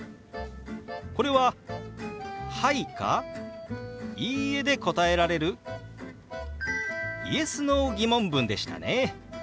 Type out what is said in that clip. これは「はい」か「いいえ」で答えられるＹｅｓ／Ｎｏー疑問文でしたね。